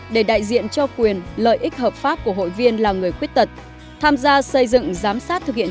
để đại diện cho quyền lợi ích hợp pháp của hội viên là người khuyết tật tham gia xây dựng giám sát thực hiện